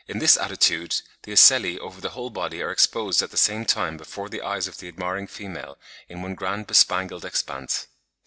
In this attitude the ocelli over the whole body are exposed at the same time before the eyes of the admiring female in one grand bespangled expanse.